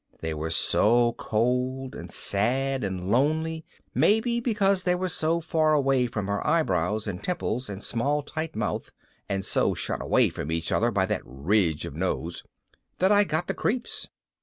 They were so cold and sad and lonely (maybe because they were so far away from her eyebrows and temples and small tight mouth, and so shut away from each other by that ridge of nose) that I got the creeps.